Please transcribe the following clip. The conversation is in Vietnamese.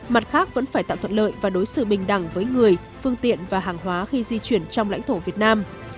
mặt khác vẫn phải tạo thuận lợi và đối xử bình đẳng với người phương tiện và hàng hóa khi di chuyển trong lãnh thổ việt nam